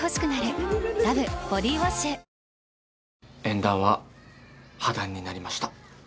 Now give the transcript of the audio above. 縁談は破談になりました。